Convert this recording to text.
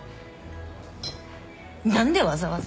何でわざわざ。